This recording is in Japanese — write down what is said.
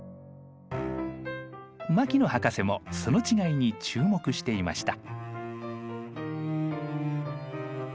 牧野博士もその違いに注目していました。